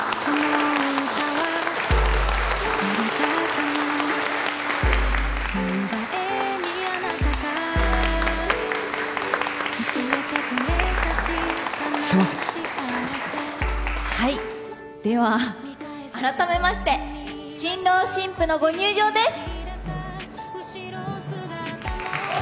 すみませんはいでは改めまして新郎新婦のご入場です！